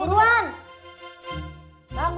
iya iya tunggu tunggu